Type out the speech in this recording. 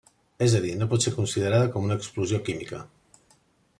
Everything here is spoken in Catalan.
És a dir, no pot ser considerada com una explosió química.